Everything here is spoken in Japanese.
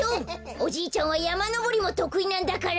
おじいちゃんはやまのぼりもとくいなんだから！